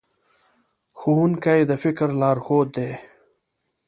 ښوونکي د فکر لارښود دي.